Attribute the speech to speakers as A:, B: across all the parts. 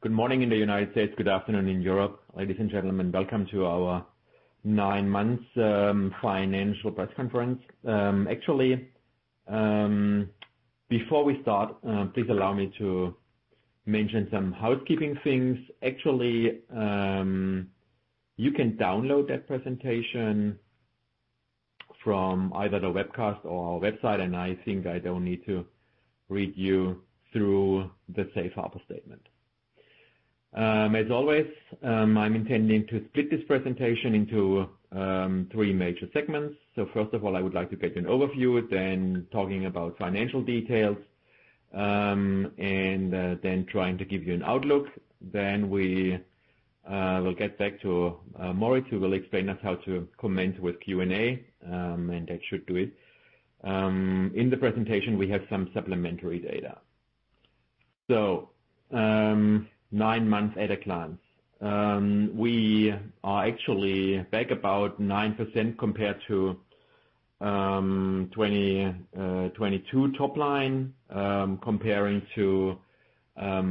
A: Good morning in the United States, good afternoon in Europe, ladies and gentlemen, welcome to our nine months financial press conference. Actually, before we start, please allow me to mention some housekeeping things. Actually, you can download that presentation from either the webcast or our website, and I think I don't need to read you through the safe harbor statement. As always, I'm intending to split this presentation into three major segments. So first of all, I would like to get an overview, then talking about financial details, and then trying to give you an outlook. Then we will get back to Moritz, who will explain us how to commence with Q&A, and that should do it. In the presentation, we have some supplementary data. So, nine months at a glance. We are actually back about 9% compared to 2022 top line, comparing to a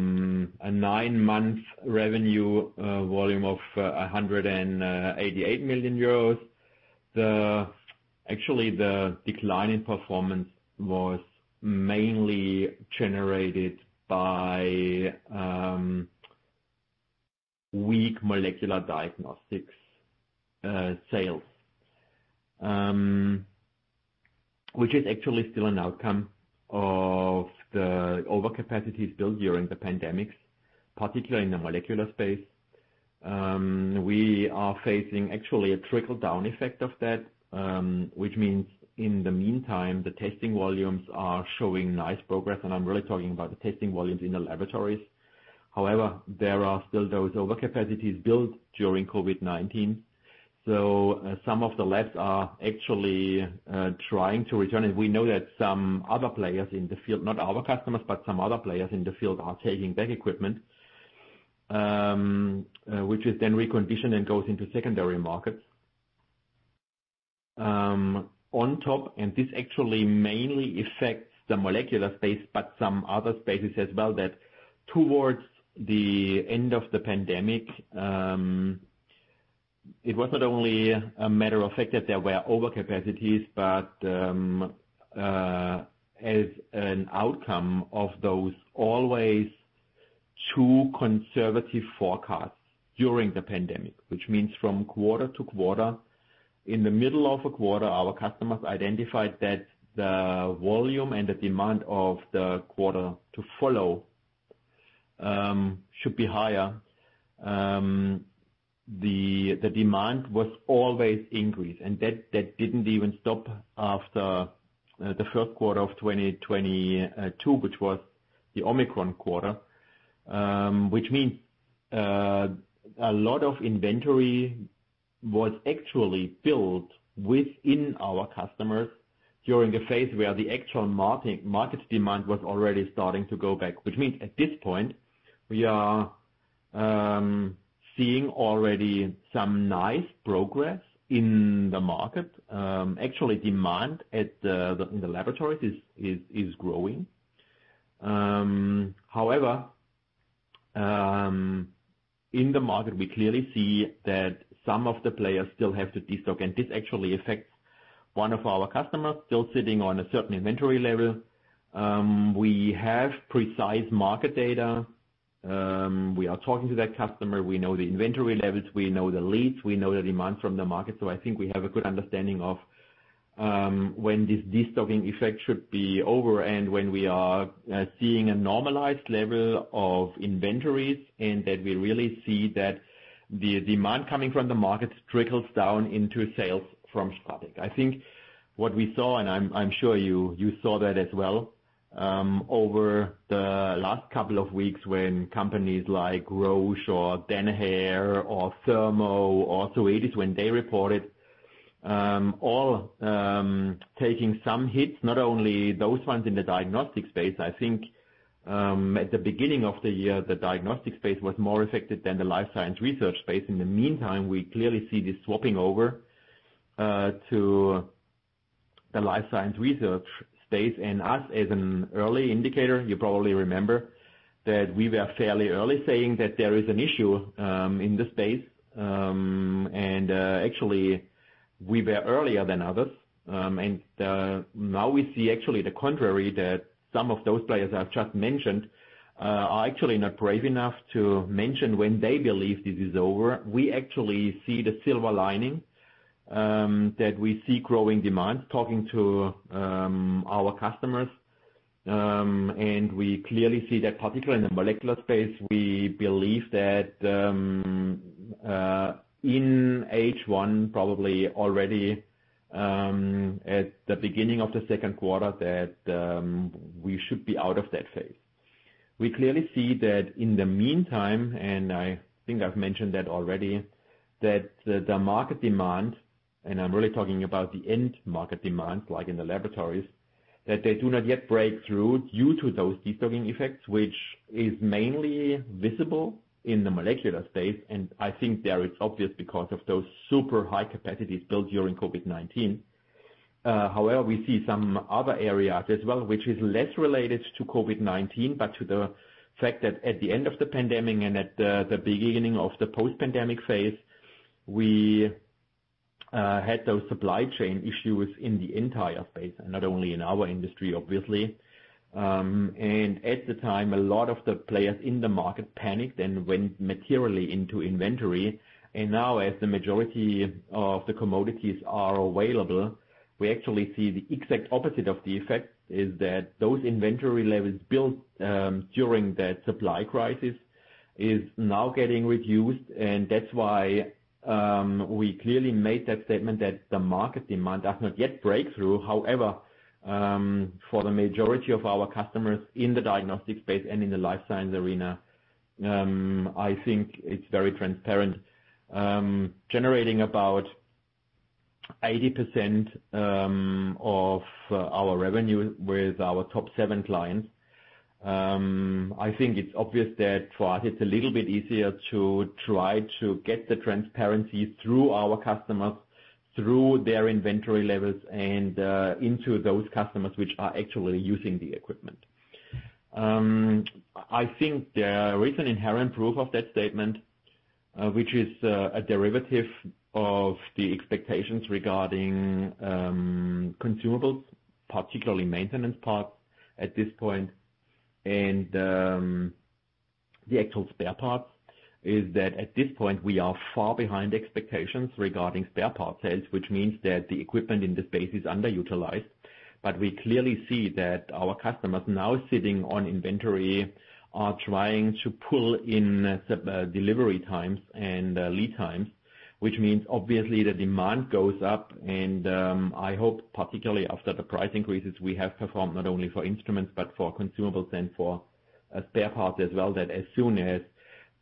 A: nine-month revenue volume of 188 million euros. Actually, the decline in performance was mainly generated by weak molecular diagnostics sales, which is actually still an outcome of the overcapacity built during the pandemic, particularly in the molecular space. We are facing actually a trickle-down effect of that, which means in the meantime, the testing volumes are showing nice progress, and I'm really talking about the testing volumes in the laboratories. However, there are still those overcapacities built during COVID-19, so some of the labs are actually trying to return. We know that some other players in the field, not our customers, but some other players in the field are taking back equipment, which is then reconditioned and goes into secondary markets. On top, and this actually mainly affects the molecular space, but some other spaces as well, that towards the end of the pandemic, it was not only a matter of fact that there were overcapacities, but as an outcome of those always too conservative forecasts during the pandemic. Which means from quarter to quarter, in the middle of a quarter, our customers identified that the volume and the demand of the quarter to follow should be higher. The demand was always increased, and that didn't even stop after the first quarter of 2022, which was the Omicron quarter. Which means a lot of inventory was actually built within our customers during the phase where the actual market demand was already starting to go back. Which means at this point, we are seeing already some nice progress in the market. Actually, demand in the laboratories is growing. However, in the market, we clearly see that some of the players still have to destock, and this actually affects one of our customers, still sitting on a certain inventory level. We have precise market data. We are talking to that customer. We know the inventory levels, we know the leads, we know the demand from the market. So I think we have a good understanding of when this destocking effect should be over and when we are seeing a normalized level of inventories, and that we really see that the demand coming from the markets trickles down into sales from STRATEC. I think what we saw, and I'm sure you saw that as well, over the last couple of weeks, when companies like Roche or Danaher or Thermo or Hologic, when they reported, all taking some hits, not only those ones in the diagnostic space. I think at the beginning of the year, the diagnostic space was more affected than the life science research space. In the meantime, we clearly see this spilling over to the life science research space. As an early indicator, you probably remember that we were fairly early saying that there is an issue in the space. Actually, we were earlier than others. Now we see actually the contrary, that some of those players I've just mentioned are actually not brave enough to mention when they believe this is over. We actually see the silver lining, that we see growing demand, talking to our customers. We clearly see that, particularly in the molecular space, we believe that in H1, probably already at the beginning of the second quarter, we should be out of that phase. We clearly see that in the meantime, and I think I've mentioned that already, that the market demand, and I'm really talking about the end market demand, like in the laboratories, that they do not yet break through due to those destocking effects, which is mainly visible in the molecular space. And I think there it's obvious because of those super high capacities built during COVID-19. However, we see some other areas as well, which is less related to COVID-19, but to the fact that at the end of the pandemic and at the beginning of the post-pandemic phase, we had those supply chain issues in the entire space, and not only in our industry, obviously. And at the time, a lot of the players in the market panicked and went materially into inventory. Now, as the majority of the commodities are available, we actually see the exact opposite of the effect, is that those inventory levels built during that supply crisis is now getting reduced. That's why we clearly made that statement that the market demand has not yet break through. However, for the majority of our customers in the diagnostic space and in the life science arena, I think it's very transparent. Generating about 80% of our revenue with our top seven clients, I think it's obvious that for us, it's a little bit easier to try to get the transparency through our customers, through their inventory levels, and into those customers which are actually using the equipment. I think there is an inherent proof of that statement, which is a derivative of the expectations regarding consumables, particularly maintenance parts at this point. And the actual spare parts is that at this point, we are far behind expectations regarding spare part sales, which means that the equipment in the space is underutilized. But we clearly see that our customers now sitting on inventory are trying to pull in delivery times and lead times, which means obviously the demand goes up. And I hope, particularly after the price increases we have performed not only for instruments, but for consumables and for spare parts as well, that as soon as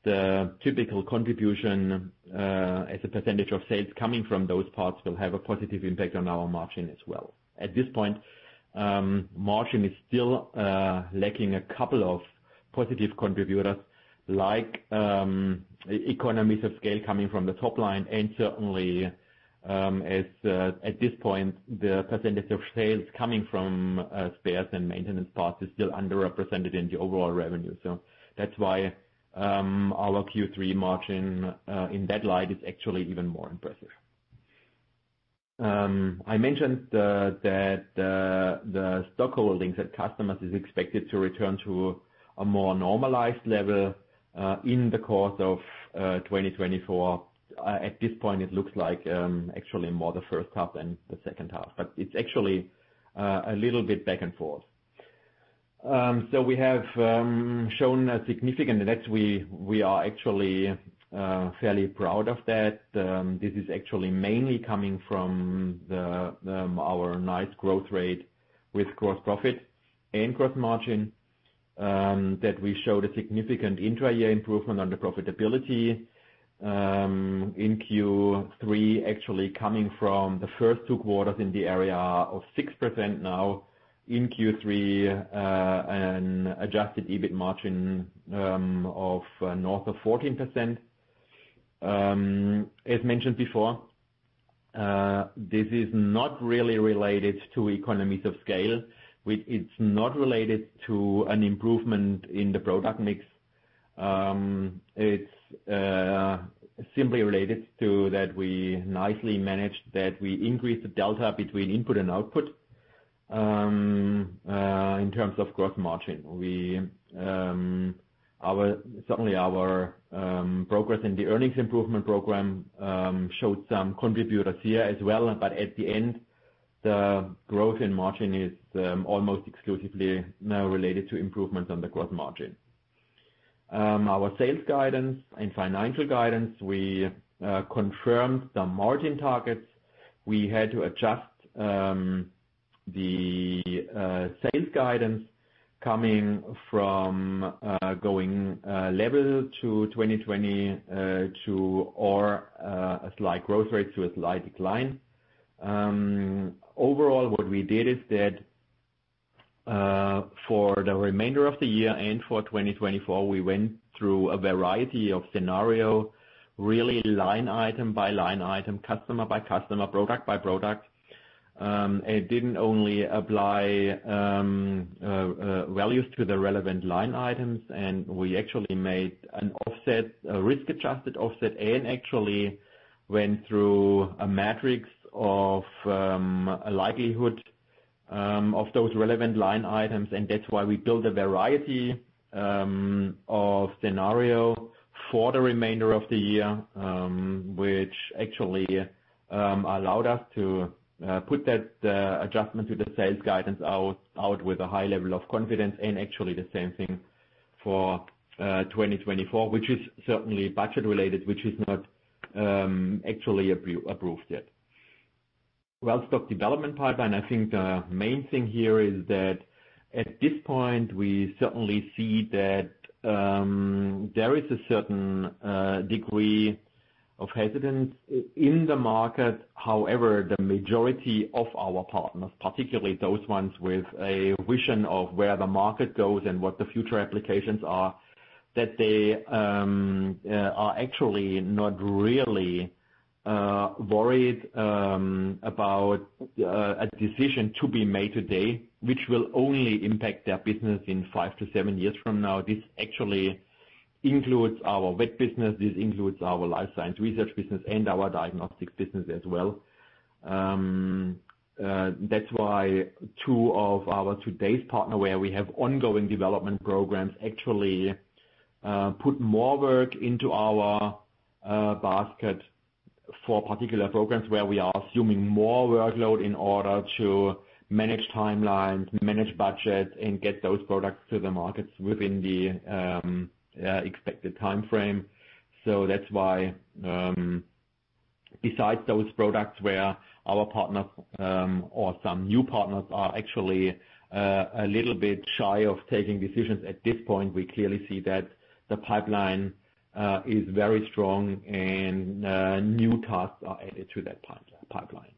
A: the typical contribution as a percentage of sales coming from those parts will have a positive impact on our margin as well. At this point, margin is still lacking a couple of positive contributors, like, economies of scale coming from the top line, and certainly, at this point, the percentage of sales coming from, spares and maintenance parts is still underrepresented in the overall revenue. So that's why, our Q3 margin, in that light, is actually even more impressive. I mentioned that the stockholdings at customers is expected to return to a more normalized level, in the course of, 2024. At this point, it looks like, actually more the first half than the second half, but it's actually, a little bit back and forth. So we have shown a significant next week. We are actually, fairly proud of that. This is actually mainly coming from the, our nice growth rate with gross profit and gross margin, that we showed a significant intra-year improvement on the profitability in Q3, actually coming from the first two quarters in the area of 6% now in Q3, an adjusted EBIT margin of north of 14%. As mentioned before, this is not really related to economies of scale, it's not related to an improvement in the product mix. It's simply related to that we nicely managed, that we increased the delta between input and output in terms of gross margin. We, certainly our progress in the earnings improvement program showed some contributors here as well, but at the end, the growth in margin is almost exclusively now related to improvements on the gross margin. Our sales guidance and financial guidance, we confirmed the margin targets. We had to adjust the sales guidance coming from going level to 2022 or a slight growth rate to a slight decline. Overall, what we did is that for the remainder of the year and for 2024, we went through a variety of scenario, really line item by line item, customer by customer, product by product. It didn't only apply values to the relevant line items, and we actually made an offset, a risk-adjusted offset, and actually went through a matrix of a likelihood of those relevant line items. And that's why we built a variety of scenario for the remainder of the year, which actually allowed us to put that adjustment to the sales guidance out with a high level of confidence, and actually the same thing for 2024, which is certainly budget related, which is not actually approved yet. Well, stock development pipeline, I think the main thing here is that at this point, we certainly see that there is a certain degree of hesitance in the market. However, the majority of our partners, particularly those ones with a vision of where the market goes and what the future applications are that they are actually not really worried about a decision to be made today, which will only impact their business in five-seven years from now. This actually includes our vet business, this includes our life science research business, and our diagnostics business as well. That's why two of our today's partner, where we have ongoing development programs, actually put more work into our basket for particular programs, where we are assuming more workload in order to manage timelines, manage budgets, and get those products to the markets within the expected time frame. So that's why, besides those products where our partners or some new partners are actually a little bit shy of taking decisions at this point, we clearly see that the pipeline is very strong and new tasks are added to that pipeline.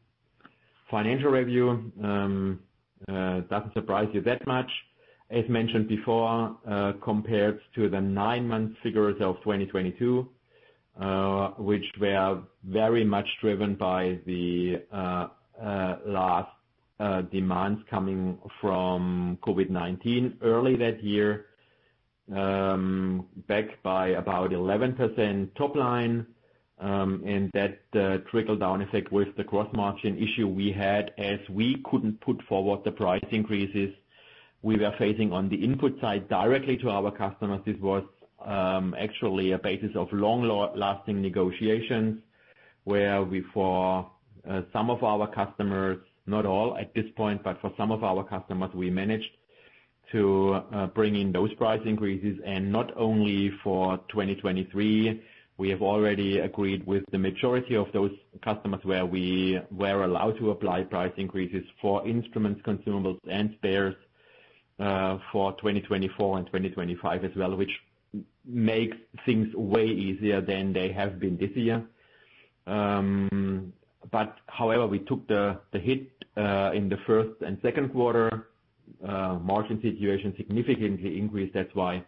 A: Financial review doesn't surprise you that much. As mentioned before, compared to the nine-month figures of 2022, which were very much driven by the last demands coming from COVID-19 early that year, back by about 11% top line, and that trickle-down effect with the gross margin issue we had, as we couldn't put forward the price increases we were facing on the input side directly to our customers. This was actually a basis of long-lasting negotiations, where we, for some of our customers, not all at this point, but for some of our customers, we managed to bring in those price increases, and not only for 2023. We have already agreed with the majority of those customers where we were allowed to apply price increases for instruments, consumables, and spares, for 2024 and 2025 as well, which makes things way easier than they have been this year. But however, we took the hit in the first and second quarter, margin situation significantly increased. That's why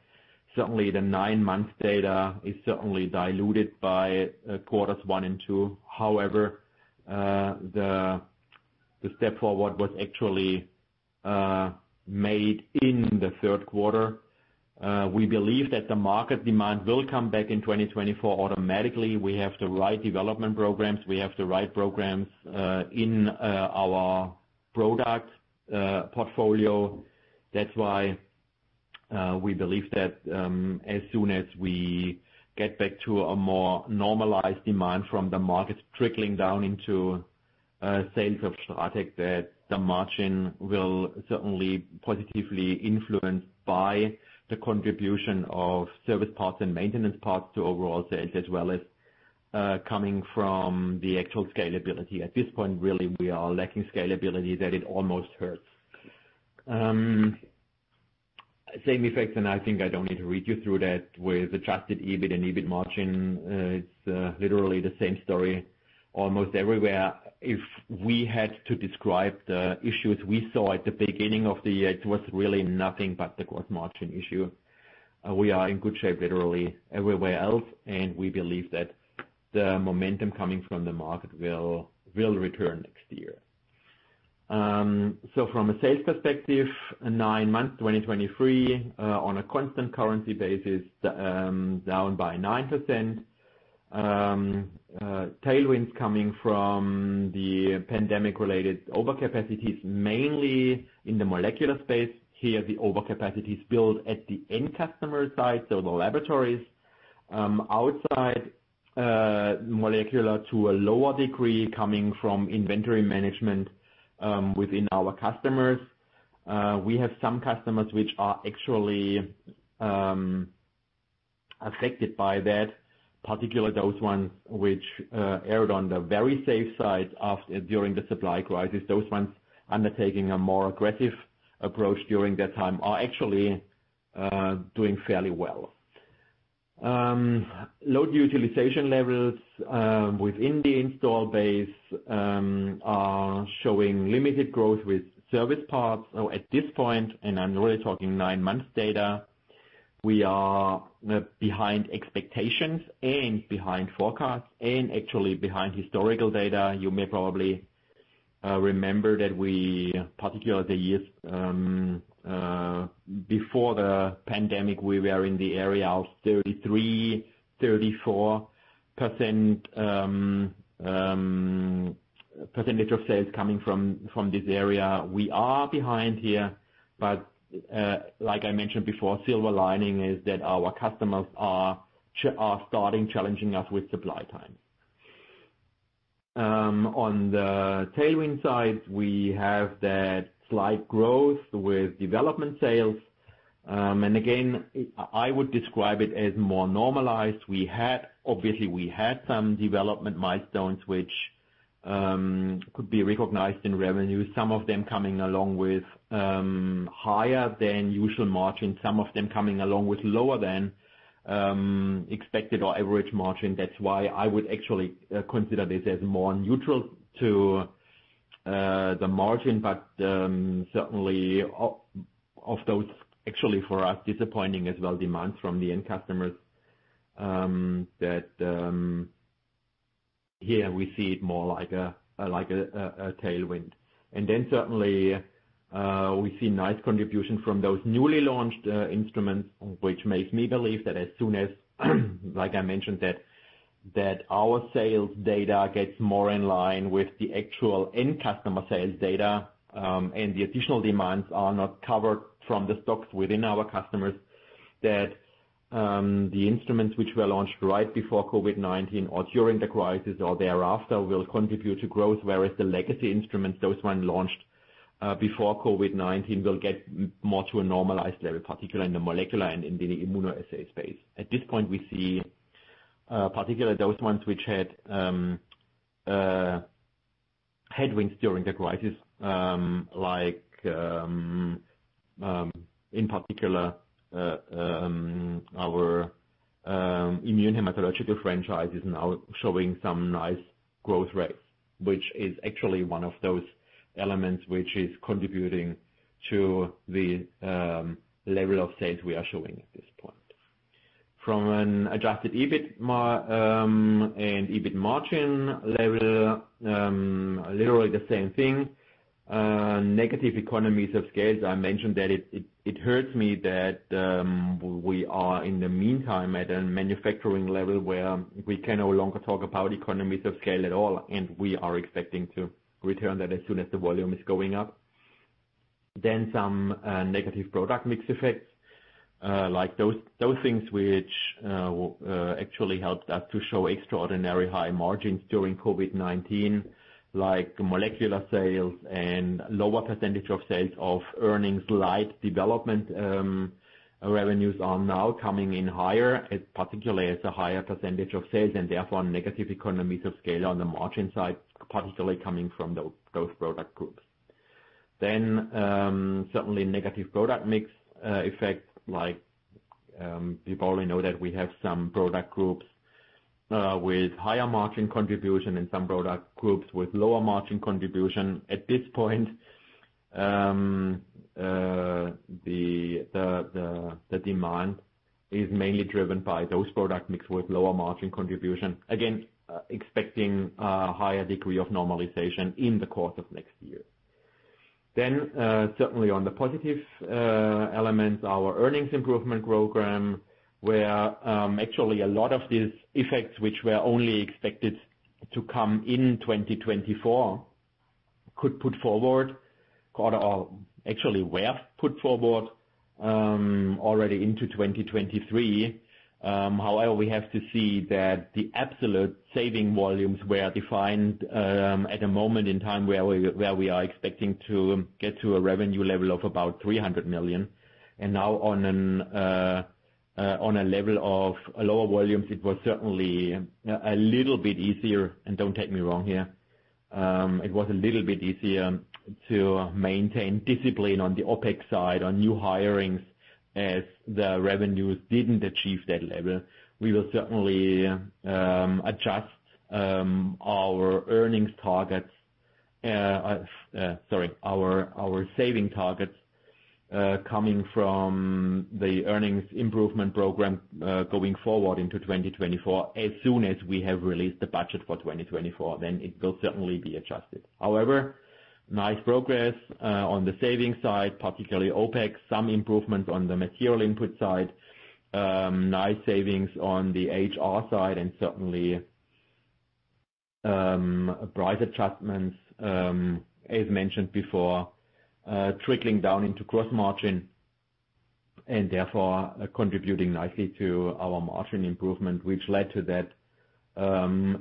A: certainly the nine-month data is certainly diluted by quarters one and two. However, the step forward was actually made in the third quarter. We believe that the market demand will come back in 2024 automatically. We have the right development programs. We have the right programs in our product portfolio. That's why we believe that, as soon as we get back to a more normalized demand from the market, trickling down into sales of STRATEC, that the margin will certainly be positively influenced by the contribution of service parts and maintenance parts to overall sales, as well as coming from the actual scalability. At this point, really, we are lacking scalability, that it almost hurts. Same effect, and I think I don't need to read you through that, with adjusted EBIT and EBIT margin. It's literally the same story almost everywhere. If we had to describe the issues we saw at the beginning of the year, it was really nothing but the gross margin issue. We are in good shape, literally everywhere else, and we believe that the momentum coming from the market will return next year. From a sales perspective, nine months, 2023, on a constant currency basis, down by 9%. Tailwinds coming from the pandemic-related overcapacities, mainly in the molecular space. Here, the overcapacity is built at the end customer site, so the laboratories. Outside molecular to a lower degree, coming from inventory management within our customers. We have some customers which are actually affected by that, particularly those ones which erred on the very safe side during the supply crisis. Those ones undertaking a more aggressive approach during that time are actually doing fairly well. Load utilization levels within the install base are showing limited growth with service parts. At this point, and I'm really talking nine months data, we are behind expectations and behind forecasts and actually behind historical data. You may probably remember that we, particularly the years before the pandemic, we were in the area of 33%-34% of sales coming from this area. We are behind here, but like I mentioned before, silver lining is that our customers are starting challenging us with supply time. On the tailwind side, we have that slight growth with development sales. And again, I would describe it as more normalized. We had—obviously, we had some development milestones which could be recognized in revenue, some of them coming along with higher than usual margin, some of them coming along with lower than expected or average margin. That's why I would actually consider this as more neutral to-... The margin, but certainly of those, actually for us, disappointing as well, demand from the end customers, that here we see it more like a tailwind. And then certainly, we see nice contribution from those newly launched instruments, which makes me believe that as soon as, like I mentioned, that our sales data gets more in line with the actual end customer sales data, and the additional demands are not covered from the stocks within our customers, that the instruments which were launched right before COVID-19 or during the crisis or thereafter, will contribute to growth. Whereas the legacy instruments, those ones launched before COVID-19, will get more to a normalized level, particularly in the molecular and in the immunoassay space. At this point, we see particularly those ones which had headwinds during the crisis, like, in particular, our immunohematology franchise is now showing some nice growth rates, which is actually one of those elements which is contributing to the level of sales we are showing at this point. From an adjusted EBIT margin and EBIT margin level, literally the same thing. Negative economies of scale. I mentioned that it hurts me that we are, in the meantime, at a manufacturing level, where we can no longer talk about economies of scale at all, and we are expecting to return that as soon as the volume is going up. Then some negative product mix effects, like those things which actually helped us to show extraordinary high margins during COVID-19, like molecular sales and lower percentage of sales of Service and Development. Revenues are now coming in higher, particularly as a higher percentage of sales and therefore, negative economies of scale on the margin side, particularly coming from those product groups. Then, certainly negative product mix effect, like, you probably know that we have some product groups with higher margin contribution and some product groups with lower margin contribution. At this point, the demand is mainly driven by those product mix with lower margin contribution. Again, expecting a higher degree of normalization in the course of next year. Certainly on the positive elements, our earnings improvement program, where actually a lot of these effects, which were only expected to come in 2024, could put forward, or actually were put forward, already into 2023. However, we have to see that the absolute saving volumes were defined at a moment in time where we were expecting to get to a revenue level of about 300 million. And now on a level of lower volumes, it was certainly a little bit easier, and don't take me wrong here. It was a little bit easier to maintain discipline on the OpEx side, on new hirings, as the revenues didn't achieve that level. We will certainly adjust our earnings targets, sorry, our saving targets, coming from the earnings improvement program, going forward into 2024. As soon as we have released the budget for 2024, then it will certainly be adjusted. However, nice progress on the savings side, particularly OpEx, some improvement on the material input side, nice savings on the HR side, and certainly, price adjustments, as mentioned before, trickling down into gross margin, and therefore contributing nicely to our margin improvement, which led to that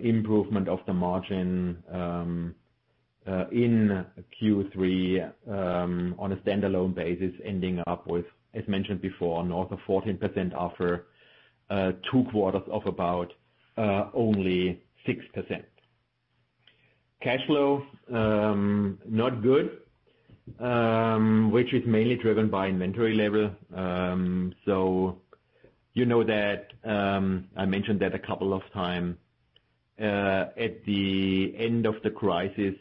A: improvement of the margin in Q3, on a standalone basis, ending up with, as mentioned before, north of 14% after two quarters of about only 6%. Cash flow, not good, which is mainly driven by inventory level. So you know that I mentioned that a couple of times at the end of the crisis,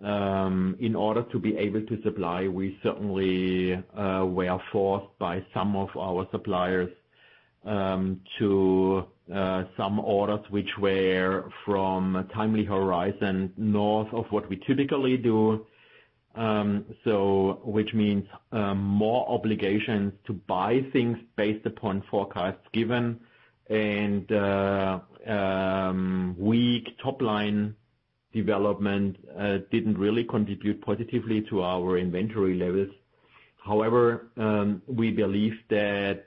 A: in order to be able to supply, we certainly were forced by some of our suppliers to some orders which were from a time horizon north of what we typically do. So which means more obligations to buy things based upon forecasts given, and weak top line development didn't really contribute positively to our inventory levels. However, we believe that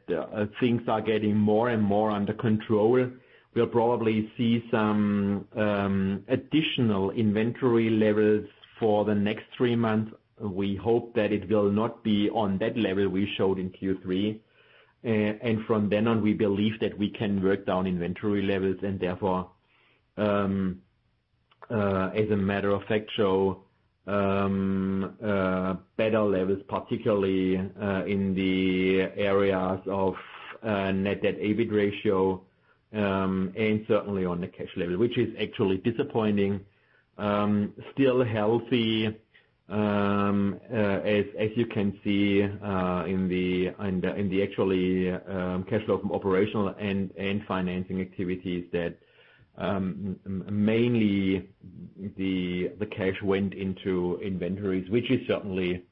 A: things are getting more and more under control. We'll probably see some additional inventory levels for the next three months. We hope that it will not be on that level we showed in Q3. From then on, we believe that we can work down inventory levels and therefore, as a matter of fact, show better levels, particularly in the areas of net debt, EBIT ratio, and certainly on the cash level, which is actually disappointing, still healthy, as you can see in the actually cash flow from operational and financing activities, that mainly the cash went into inventories, which is certainly,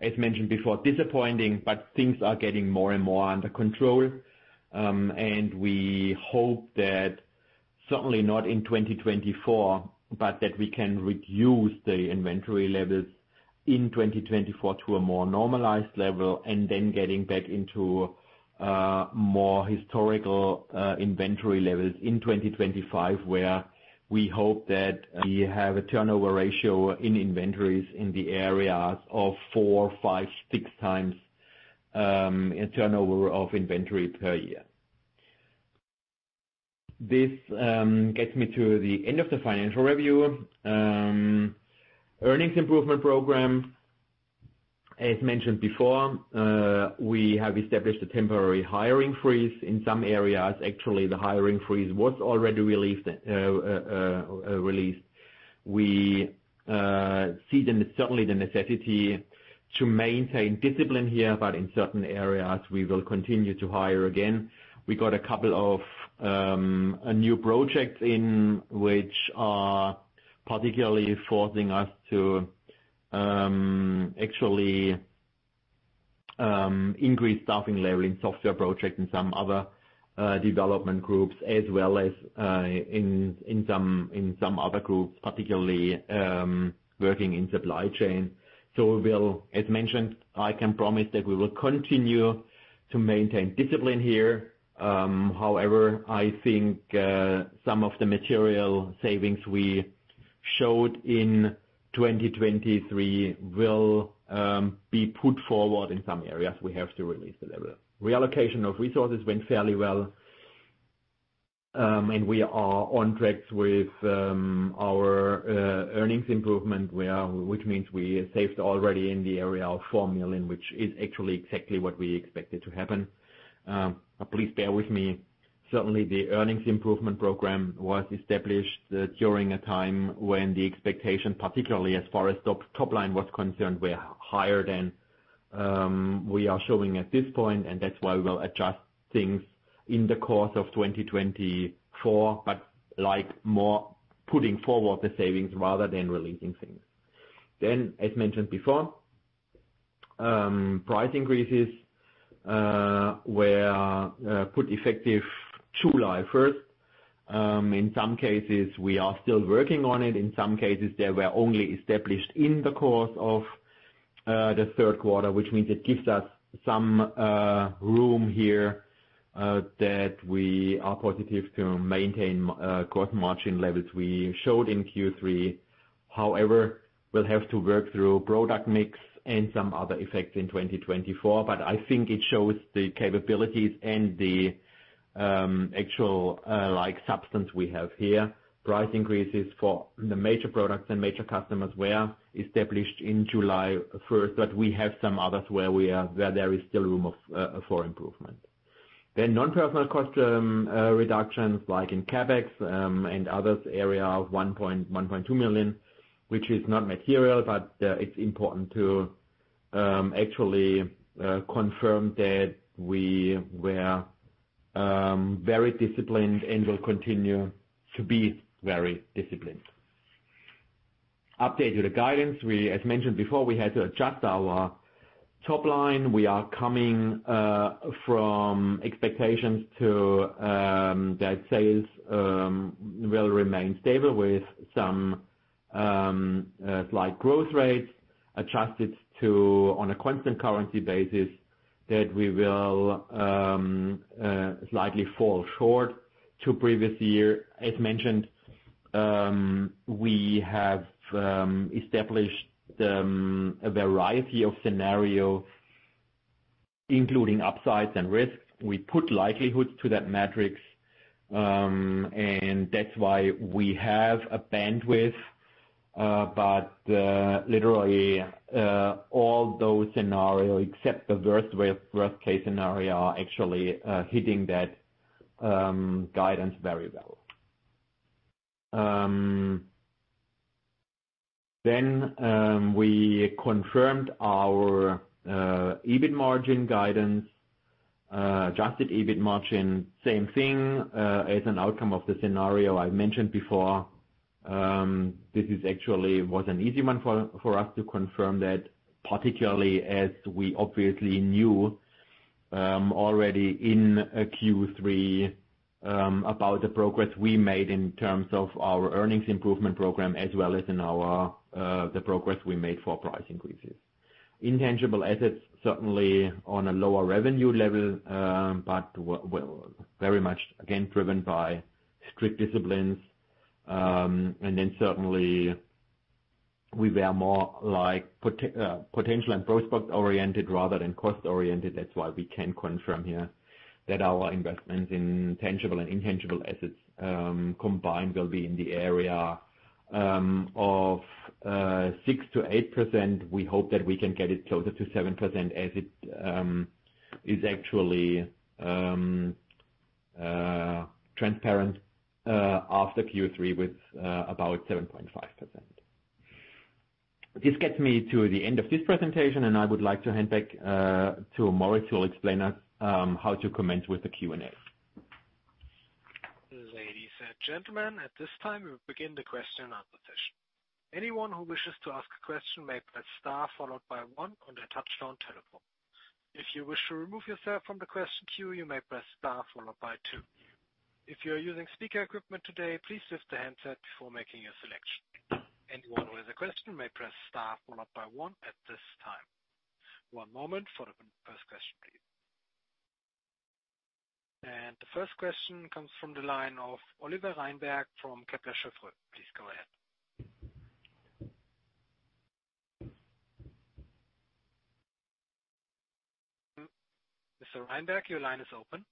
A: as mentioned before, disappointing, but things are getting more and more under control. We hope that certainly not in 2024, but that we can reduce the inventory levels in 2024 to a more normalized level, and then getting back into, more historical, inventory levels in 2025, where we hope that we have a turnover ratio in inventories in the areas of four, five, six times, in turnover of inventory per year. This gets me to the end of the financial review. Earnings improvement program. As mentioned before, we have established a temporary hiring freeze in some areas. Actually, the hiring freeze was already released, released. We see the, certainly the necessity to maintain discipline here, but in certain areas, we will continue to hire again. We got a couple of new projects in which are particularly forcing us to actually increase staffing level in software projects and some other development groups, as well as in some other groups, particularly working in supply chain. So we will, as mentioned, I can promise that we will continue to maintain discipline here. However, I think some of the material savings we showed in 2023 will be put forward in some areas. We have to release the level. Reallocation of resources went fairly well, and we are on track with our earnings improvement, which means we saved already in the area of 4 million, which is actually exactly what we expected to happen. Please bear with me. Certainly, the earnings improvement program was established during a time when the expectation, particularly as far as top, top line was concerned, were higher than we are showing at this point, and that's why we will adjust things in the course of 2024, but like more putting forward the savings rather than releasing things. Then, as mentioned before, price increases were put effective July 1st. In some cases, we are still working on it. In some cases, they were only established in the course of the third quarter, which means it gives us some room here that we are positive to maintain gross margin levels we showed in Q3. However, we'll have to work through product mix and some other effects in 2024, but I think it shows the capabilities and the, like, substance we have here. Price increases for the major products and major customers were established in July first, but we have some others where we are, where there is still room for improvement. Non-personnel cost reductions, like in CapEx, and others area of 1.2 million, which is not material, but it's important to actually confirm that we were very disciplined and will continue to be very disciplined. Update to the guidance. We, as mentioned before, we had to adjust our top line. We are coming from expectations to that sales will remain stable with some slight growth rates adjusted to, on a constant currency basis, that we will slightly fall short to previous year. As mentioned, we have established a variety of scenarios, including upsides and risks. We put likelihoods to that metrics, and that's why we have a bandwidth. But literally all those scenario, except the worst way, worst-case scenario, are actually hitting that guidance very well. Then we confirmed our EBIT margin guidance, adjusted EBIT margin, same thing, as an outcome of the scenario I mentioned before. This actually was an easy one for us to confirm that, particularly as we obviously knew already in Q3 about the progress we made in terms of our earnings improvement program, as well as in our, the progress we made for price increases. Intangible assets, certainly on a lower revenue level, but well, very much again, driven by strict disciplines. Then certainly we were more like potential and prospect-oriented rather than cost-oriented. That's why we can confirm here that our investments in tangible and intangible assets, combined, will be in the area of 6%-8%. We hope that we can get it closer to 7%, as it is actually transparent after Q3 with about 7.5%. This gets me to the end of this presentation, and I would like to hand back to Moritz, who will explain us how to commence with the Q&A.
B: Ladies and gentlemen, at this time, we will begin the question and answer session. Anyone who wishes to ask a question may press star followed by one on their touchtone telephone. If you wish to remove yourself from the question queue, you may press star followed by two. If you are using speaker equipment today, please lift the handset before making your selection. Anyone with a question may press star followed by one at this time. One moment for the first question, please. The first question comes from the line of Oliver Reinberg from Kepler Cheuvreux. Please go ahead. Mr. Reinberg, your line is open.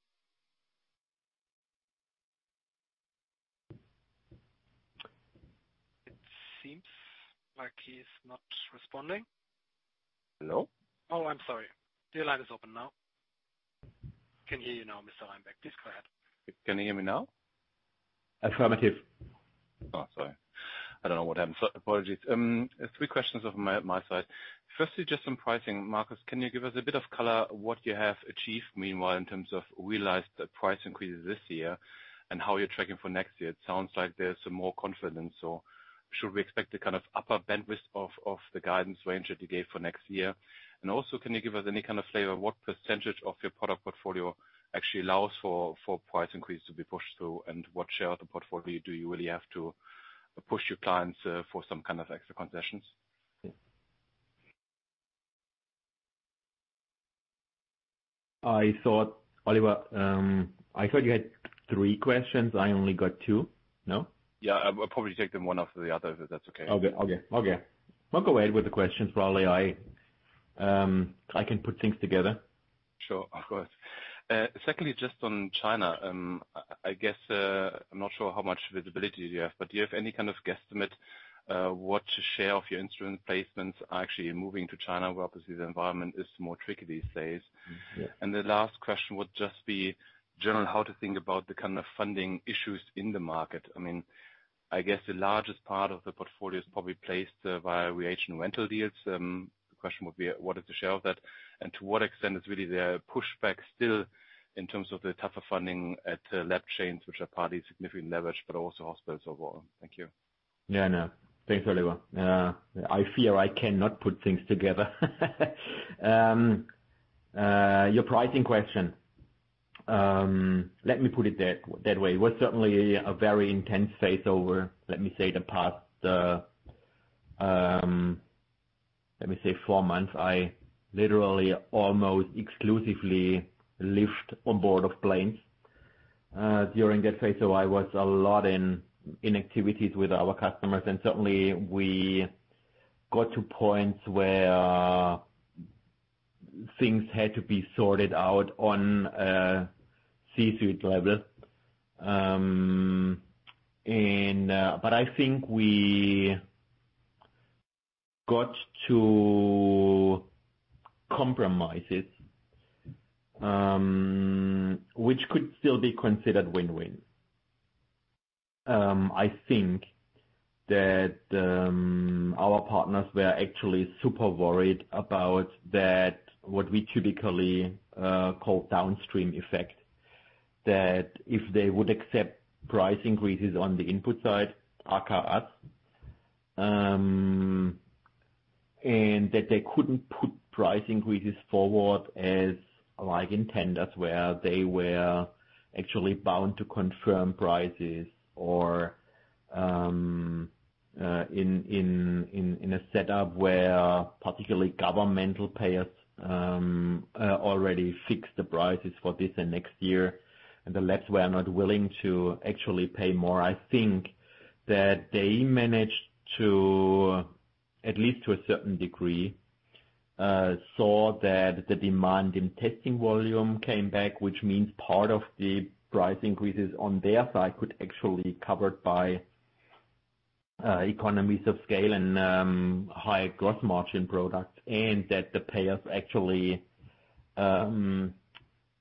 B: It seems like he's not responding.
C: Hello?
B: Oh, I'm sorry. Your line is open now. I can hear you now, Mr. Reinberg. Please go ahead.
C: Can you hear me now?
A: Affirmative.
C: Oh, sorry. I don't know what happened. So apologies. Three questions of my, my side. Firstly, just on pricing, Marcus, can you give us a bit of color, what you have achieved meanwhile, in terms of realized price increases this year and how you're tracking for next year? It sounds like there's some more confidence, so should we expect a kind of upper bandwidth of, of the guidance range that you gave for next year? And also, can you give us any kind of flavor, what percentage of your product portfolio actually allows for, for price increases to be pushed through? And what share of the portfolio do you really have to push your clients for some kind of extra concessions?
A: I thought, Oliver, I thought you had three questions. I only got two. No?
C: Yeah, I, I'll probably take them one after the other, if that's okay.
A: Okay. Okay. Okay. Well, go ahead with the questions. Probably, I, I can put things together.
C: Sure. Of course. Secondly, just on China, I guess, I'm not sure how much visibility you have, but do you have any kind of guesstimate, what share of your instrument placements are actually moving to China, where obviously the environment is more tricky these days?
A: Mm-hmm. Yeah.
C: The last question would just be, generally, how to think about the kind of funding issues in the market. I mean, I guess the largest part of the portfolio is probably placed via reagent rental deals. The question would be, what is the share of that, and to what extent is really there pushback still, in terms of the tougher funding at lab chains, which are partly significant leverage, but also hospitals overall? Thank you.
A: Yeah, I know. Thanks, Oliver. I fear I cannot put things together. Your pricing question, let me put it that way. It was certainly a very intense phase over, let me say, the past, let me say four months. I literally, almost exclusively lived on board of planes. During that phase, so I was a lot in activities with our customers, and certainly we got to points where things had to be sorted out on a C-suite level. And, but I think we got to compromises, which could still be considered win-win. I think that our partners were actually super worried about that, what we typically call downstream effect, that if they would accept price increases on the input side, aka us, and that they couldn't put price increases forward as, like, in tenders where they were actually bound to confirm prices or in a setup where particularly governmental payers already fixed the prices for this and next year, and the labs were not willing to actually pay more. I think that they managed to, at least to a certain degree, saw that the demand in testing volume came back, which means part of the price increases on their side could actually be covered by economies of scale and higher gross margin products, and that the payers actually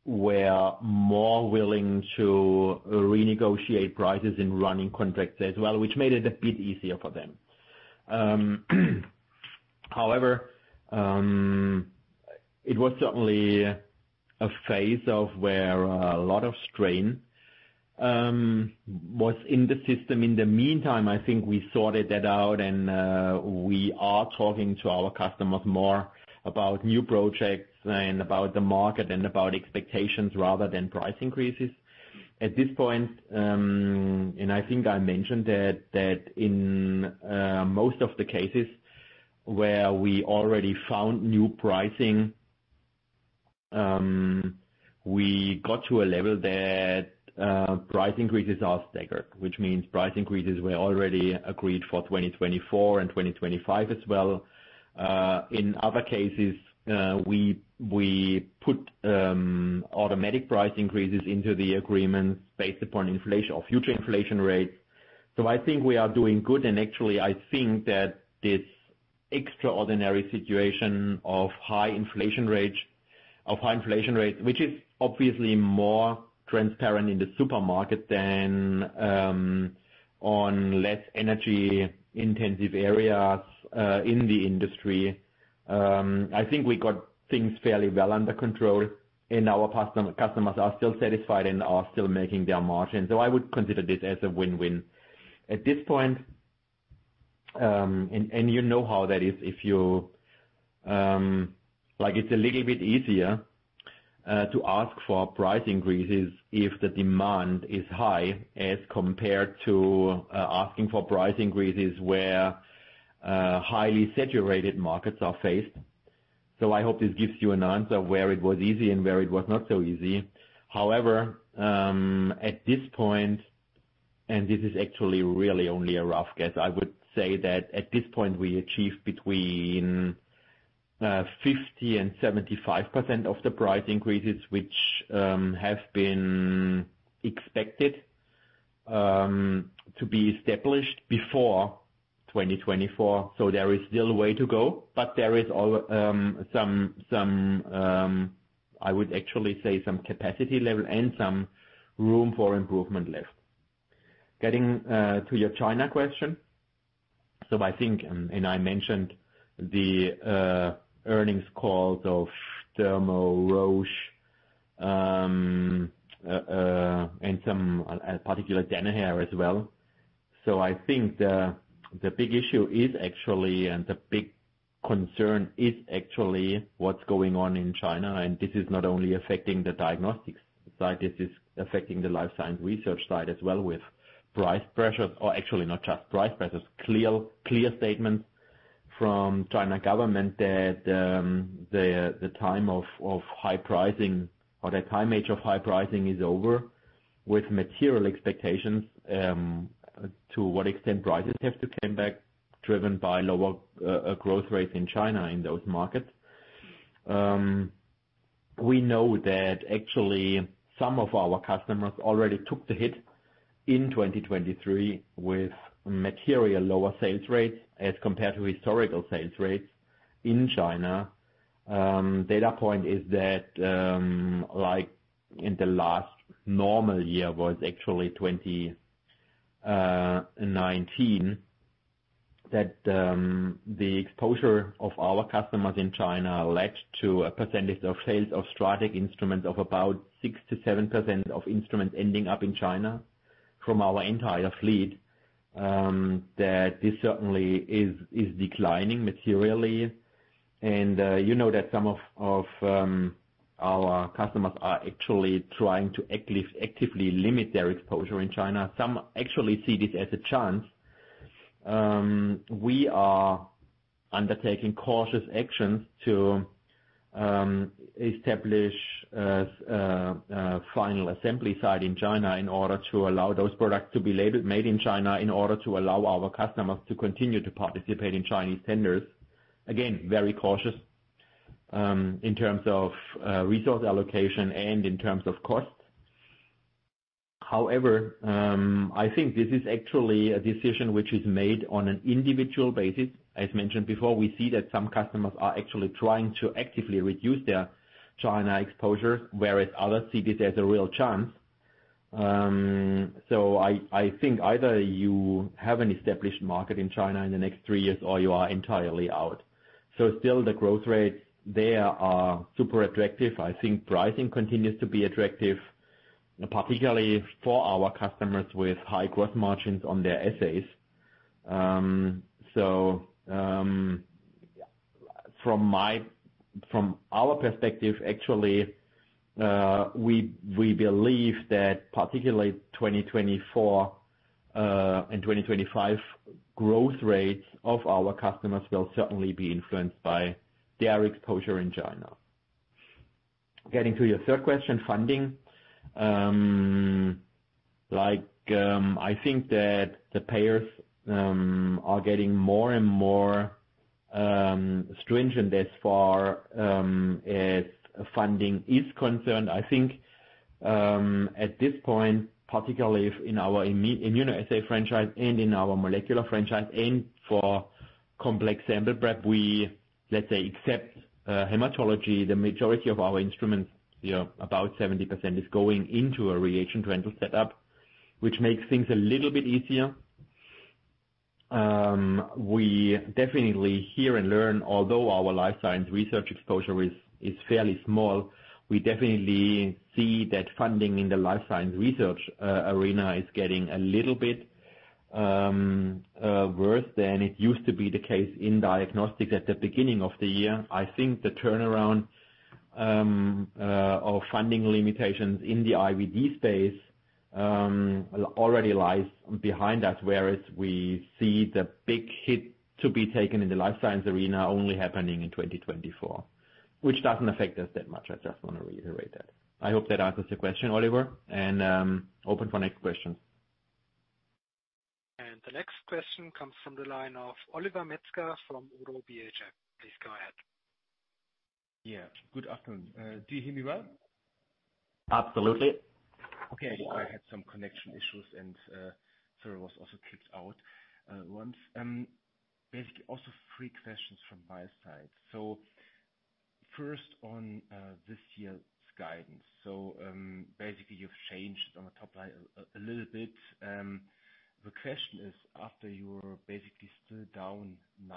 A: were more willing to renegotiate prices in running contracts as well, which made it a bit easier for them. However, it was certainly a phase of where a lot of strain was in the system. In the meantime, I think we sorted that out, and we are talking to our customers more about new projects and about the market and about expectations rather than price increases. At this point, I think I mentioned that in most of the cases where we already found new pricing, we got to a level that price increases are staggered, which means price increases were already agreed for 2024 and 2025 as well. In other cases, we put automatic price increases into the agreement based upon inflation or future inflation rates. I think we are doing good, and actually, I think that this extraordinary situation of high inflation rate, of high inflation rate, which is obviously more transparent in the supermarket than on less energy-intensive areas in the industry. I think we got things fairly well under control, and our customers are still satisfied and are still making their margin. I would consider this as a win-win. At this point, and you know how that is, if you like, it's a little bit easier to ask for price increases if the demand is high, as compared to asking for price increases where highly saturated markets are faced. So I hope this gives you an answer where it was easy and where it was not so easy. However, at this point, and this is actually really only a rough guess, I would say that at this point, we achieved between 50%-75% of the price increases, which have been expected to be established before 2024. So there is still a way to go, but there is some, I would actually say some capacity level and some room for improvement left. Getting to your China question. I think, and I mentioned the earnings calls of Thermo Fisher Scientific, Roche, and some, particularly Danaher as well. I think the big issue is actually, and the big concern is actually what's going on in China. This is not only affecting the diagnostics side, this is affecting the life science research side as well, with price pressures, or actually not just price pressures. Clear, clear statements from the China government that the time of high pricing or the age of high pricing is over, with material expectations to what extent prices have to come back, driven by lower growth rates in China in those markets. We know that actually some of our customers already took the hit in 2023 with materially lower sales rates as compared to historical sales rates in China. Data point is that, like, in the last normal year, was actually 2019. That the exposure of our customers in China led to a percentage of sales of STRATEC instruments of about 6%-7% of instruments ending up in China from our entire fleet. That this certainly is declining materially. And, you know that some of our customers are actually trying to actively limit their exposure in China. Some actually see this as a chance. We are undertaking cautious actions to establish final assembly site in China in order to allow those products to be labeled Made in China, in order to allow our customers to continue to participate in Chinese tenders. Again, very cautious, in terms of resource allocation and in terms of cost. However, I think this is actually a decision which is made on an individual basis. As mentioned before, we see that some customers are actually trying to actively reduce their China exposure, whereas others see this as a real chance. So I think either you have an established market in China in the next three years or you are entirely out. So still the growth rates there are super attractive. I think pricing continues to be attractive, particularly for our customers with high growth margins on their assays. So from our perspective, actually, we believe that particularly 2024 and 2025 growth rates of our customers will certainly be influenced by their exposure in China. Getting to your third question, funding. Like, I think that the payers are getting more and more stringent as far as funding is concerned. I think, at this point, particularly in our immunoassay franchise and in our molecular franchise, and for complex sample prep, we, let's say, accept hematology. The majority of our instruments, you know, about 70% is going into a reagent rental setup, which makes things a little bit easier. We definitely hear and learn, although our life science research exposure is fairly small, we definitely see that funding in the life science research arena is getting a little bit worse than it used to be the case in diagnostics at the beginning of the year. I think the turnaround of funding limitations in the IVD space already lies behind us, whereas we see the big hit to be taken in the life science arena only happening in 2024, which doesn't affect us that much. I just want to reiterate that. I hope that answers your question, Oliver, and open for next question.
B: The next question comes from the line of Oliver Metzger from Oddo BHF. Please go ahead.
D: Yeah, good afternoon. Do you hear me well?
A: Absolutely.
D: Okay, I had some connection issues, and sorry, was also kicked out once. Basically also three questions from my side. So first on this year's guidance. So basically, you've changed on the top line a little bit. The question is, after you're basically still down 9%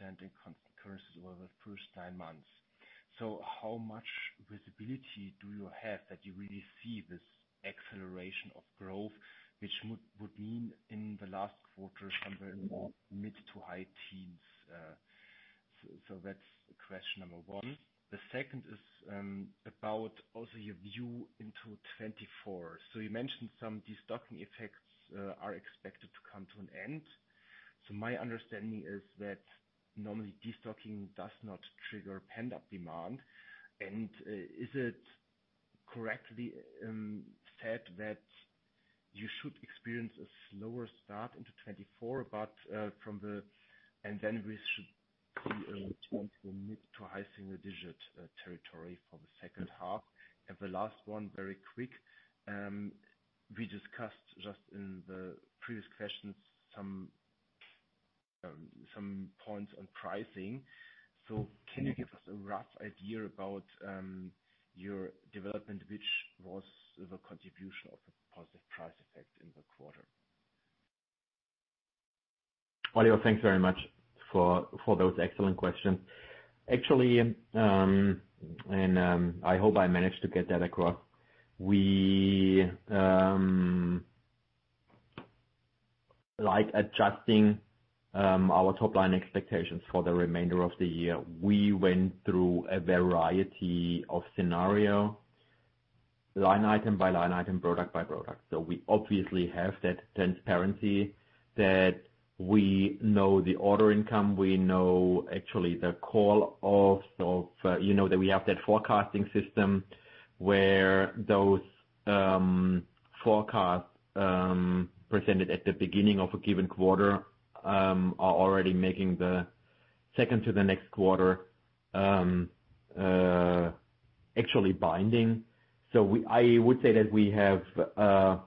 D: in constant currencies over the first nine months, so how much visibility do you have that you really see this acceleration of growth, which would mean in the last quarter, somewhere more mid- to high teens percent? So that's question number one. The second is about also your view into 2024. So you mentioned some destocking effects are expected to come to an end. So my understanding is that normally, destocking does not trigger pent-up demand. And, is it correctly said that you should experience a slower start into 2024, but from and then we should be mid to high single digit territory for the second half? And the last one, very quick, we discussed just in the previous questions some some points on pricing. So can you give us a rough idea about your development, which was the contribution of the positive price effect in the quarter?
A: Well, thanks very much for those excellent questions. Actually, I hope I managed to get that across. We like adjusting our top line expectations for the remainder of the year. We went through a variety of scenario, line item by line item, product by product. We obviously have that transparency, that we know the order income, we know actually the call-off, you know, that we have that forecasting system where those forecasts presented at the beginning of a given quarter are already making the second to the next quarter actually binding. I would say that we have a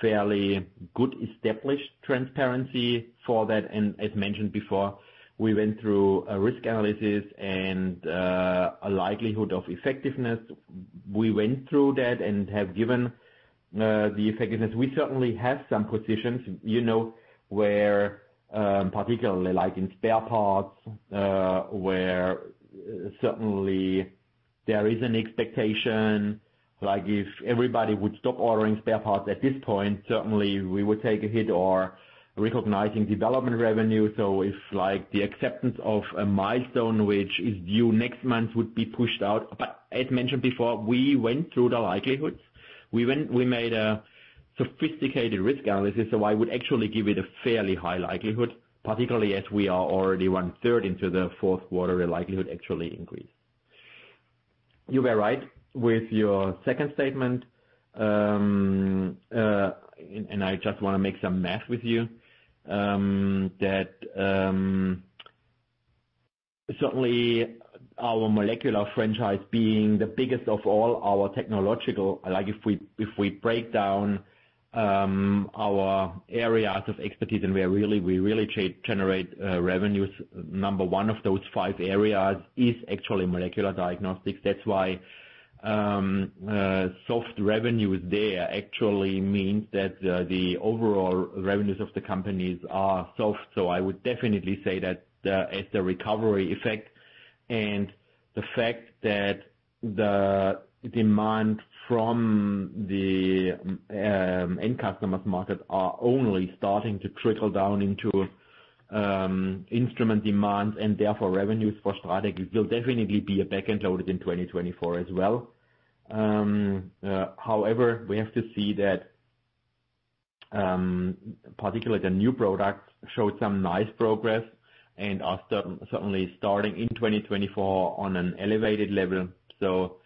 A: fairly good established transparency for that, and as mentioned before, we went through a risk analysis and a likelihood of effectiveness. We went through that and have given the effectiveness. We certainly have some positions, you know, where particularly like in spare parts, where certainly there is an expectation, like if everybody would stop ordering spare parts at this point, certainly we would take a hit or recognizing development revenue. So if, like, the acceptance of a milestone, which is due next month, would be pushed out. But as mentioned before, we went through the likelihoods. We made a sophisticated risk analysis, so I would actually give it a fairly high likelihood, particularly as we are already one-third into the fourth quarter, the likelihood actually increased. You were right with your second statement. I just wanna make some math with you, that certainly our molecular franchise being the biggest of all our technological—like, if we break down our areas of expertise and we really generate revenues, number one of those five areas is actually molecular diagnostics. That's why soft revenues there actually means that the overall revenues of the companies are soft. So I would definitely say that it's a recovery effect, and the fact that the demand from the end customers market are only starting to trickle down into instrument demand and therefore revenues for STRATEC will definitely be back-end loaded in 2024 as well. However, we have to see that, particularly the new products showed some nice progress and are certainly starting in 2024 on an elevated level. So,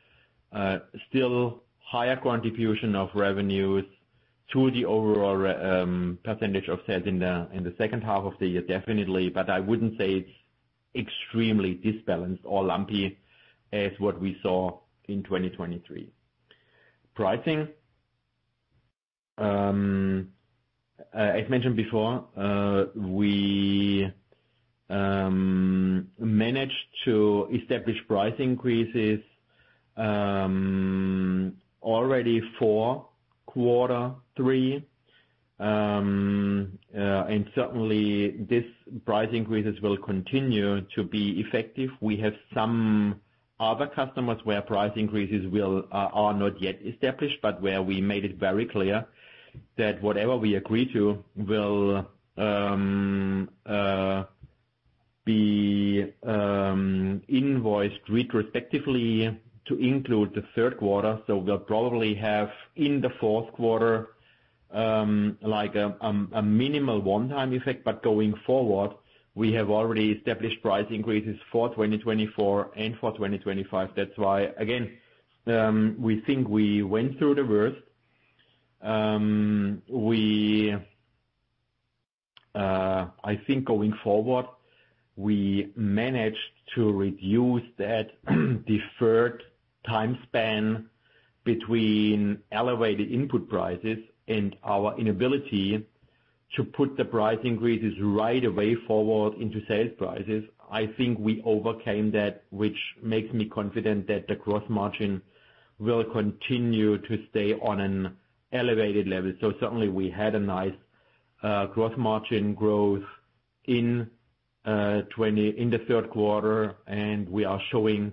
A: still higher contribution of revenues to the overall revenue percentage of sales in the second half of the year, definitely, but I wouldn't say it's extremely disbalanced or lumpy as what we saw in 2023. Pricing, as mentioned before, we managed to establish price increases already for quarter three. And certainly, these price increases will continue to be effective. We have some other customers where price increases are not yet established, but where we made it very clear that whatever we agree to will be invoiced retrospectively to include the third quarter. So we'll probably have in the fourth quarter, like, a minimal one-time effect. But going forward, we have already established price increases for 2024 and for 2025. That's why, again, we think we went through the worst. I think going forward, we managed to reduce that deferred time span between elevated input prices and our inability to put the price increases right away forward into sales prices. I think we overcame that, which makes me confident that the gross margin will continue to stay on an elevated level. So certainly we had a nice gross margin growth in 2020, in the third quarter, and we are showing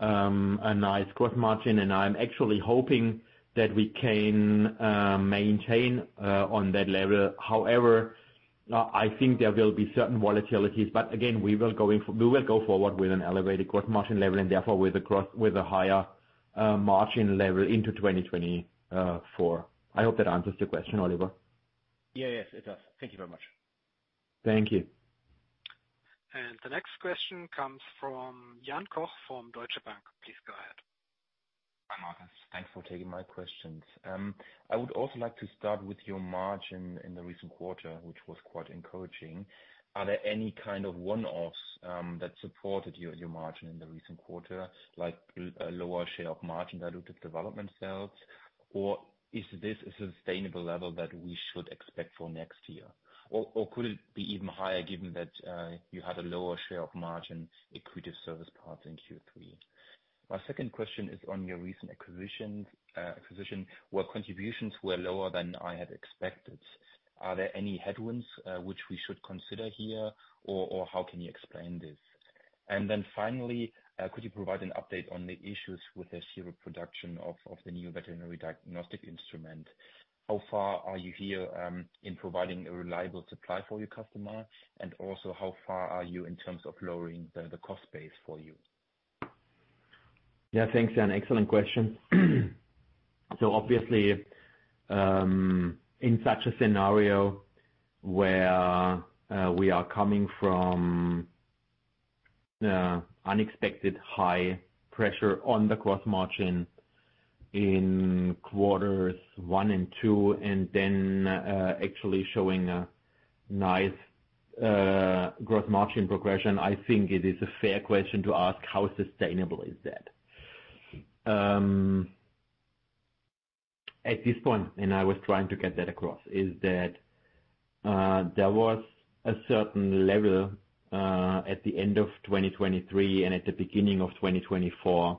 A: a nice gross margin, and I'm actually hoping that we can maintain on that level. However, I think there will be certain volatilities. But again, we will go forward with an elevated gross margin level and therefore with a higher margin level into 2024. I hope that answers your question, Oliver.
D: Yeah, yes, it does. Thank you very much.
A: Thank you.
B: The next question comes from Jan Koch from Deutsche Bank. Please go ahead.
E: Hi, Marcus. Thanks for taking my questions. I would also like to start with your margin in the recent quarter, which was quite encouraging. Are there any kind of one-offs that supported your margin in the recent quarter, like a lower share of margin related development sales, or is this a sustainable level that we should expect for next year? Could it be even higher, given that you had a lower share of margin in creative service parts in Q3? My second question is on your recent acquisition, where contributions were lower than I had expected. Are there any headwinds we should consider here, or how can you explain this? Finally, could you provide an update on the issues with the serial production of the new veterinary diagnostic instrument? How far are you here in providing a reliable supply for your customer? And also, how far are you in terms of lowering the cost base for you?
A: Yeah, thanks, Jan. Excellent question. So obviously, in such a scenario where we are coming from unexpected high pressure on the gross margin in quarters one and two, and then actually showing a nice gross margin progression, I think it is a fair question to ask: How sustainable is that? At this point, and I was trying to get that across, is that there was a certain level at the end of 2023 and at the beginning of 2024,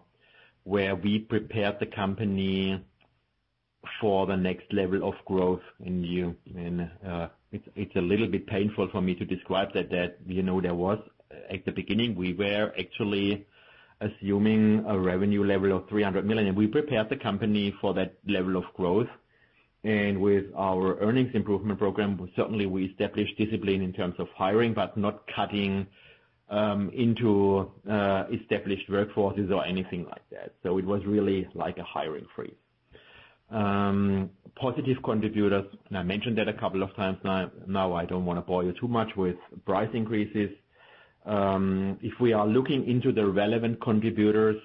A: where we prepared the company for the next level of growth in view. And it's a little bit painful for me to describe that, you know, there was, at the beginning, we were actually assuming a revenue level of 300 million, and we prepared the company for that level of growth. With our earnings improvement program, certainly we established discipline in terms of hiring, but not cutting into established workforces or anything like that. So it was really like a hiring freeze. Positive contributors, and I mentioned that a couple of times, now, now I don't want to bore you too much with price increases. If we are looking into the relevant contributors,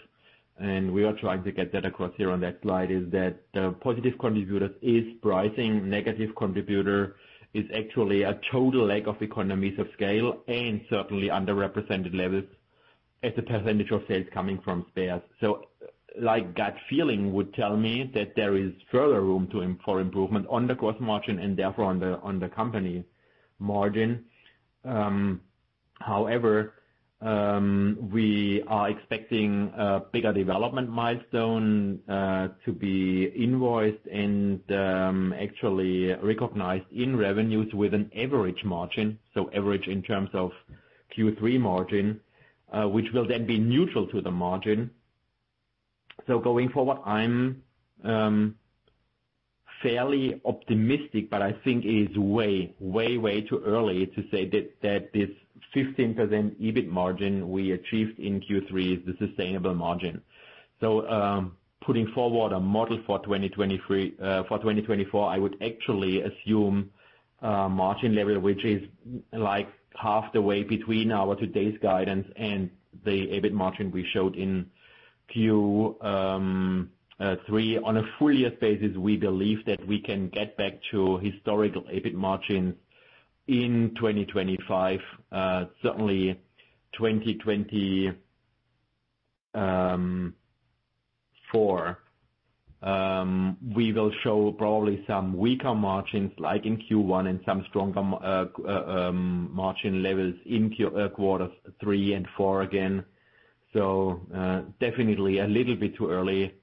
A: and we are trying to get that across here on that slide, is that the positive contributors is pricing. Negative contributor is actually a total lack of economies of scale and certainly underrepresented levels as a percentage of sales coming from spares. So like, gut feeling would tell me that there is further room to improvement on the gross margin and therefore on the company margin. However, we are expecting a bigger development milestone to be invoiced and actually recognized in revenues with an average margin, so average in terms of Q3 margin, which will then be neutral to the margin. So going forward, I'm fairly optimistic, but I think it's way, way, way too early to say that this 15% EBIT margin we achieved in Q3 is the sustainable margin. So, putting forward a model for 2023, for 2024, I would actually assume margin level, which is like half the way between our today's guidance and the EBIT margin we showed in Q3. On a full year basis, we believe that we can get back to historical EBIT margin in 2025. Certainly 2024, we will show probably some weaker margins, like in Q1, and some stronger margin levels in quarters three and four again. So, definitely a little bit too early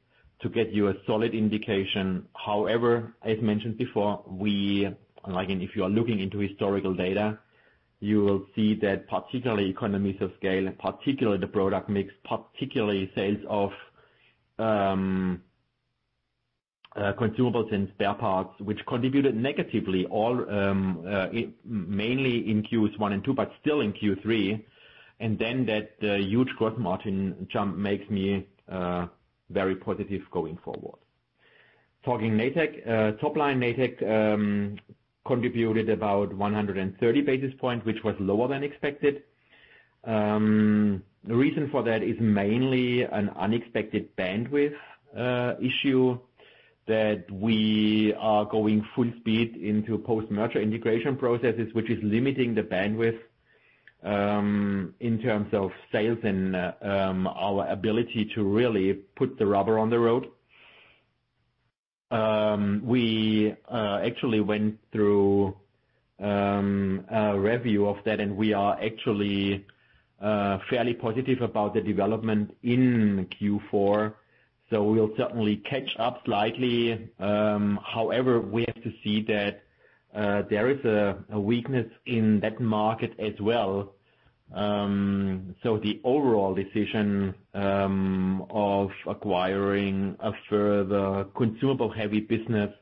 A: to get you a solid indication. However, as mentioned before, we, like, and if you are looking into historical data, you will see that particularly economies of scale, and particularly the product mix, particularly sales of consumables and spare parts, which contributed negatively, all mainly in Qs 1 and 2, but still in Q3. And then that huge gross margin jump makes me very positive going forward. Talking Natech, top line, Natech contributed about 130 basis points, which was lower than expected. The reason for that is mainly an unexpected bandwidth issue that we are going full speed into post-merger integration processes, which is limiting the bandwidth in terms of sales and our ability to really put the rubber on the road. We actually went through a review of that, and we are actually fairly positive about the development in Q4, so we'll certainly catch up slightly. However, we have to see that there is a weakness in that market as well. So the overall decision of acquiring a further consumable-heavy business,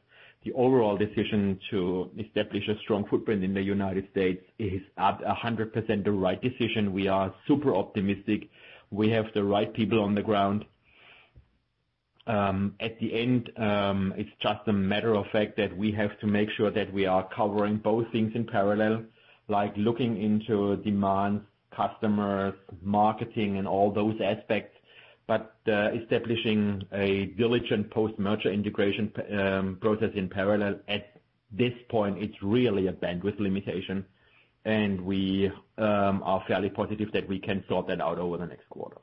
A: the overall decision to establish a strong footprint in the United States is 100% the right decision. We are super optimistic. We have the right people on the ground. At the end, it's just a matter of fact that we have to make sure that we are covering both things in parallel, like looking into demands, customers, marketing, and all those aspects, but establishing a diligent post-merger integration process in parallel. At this point, it's really a bandwidth limitation, and we are fairly positive that we can sort that out over the next quarter.